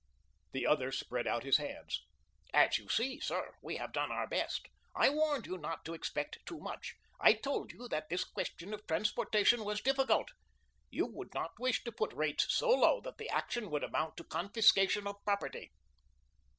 The other spread out his hands. "As you see, sir. We have done our best. I warned you not to expect too much. I told you that this question of transportation was difficult. You would not wish to put rates so low that the action would amount to confiscation of property."